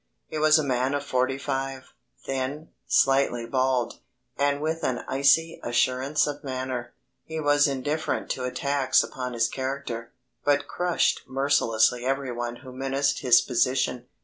He was a man of forty five, thin, slightly bald, and with an icy assurance of manner. He was indifferent to attacks upon his character, but crushed mercilessly every one who menaced his position.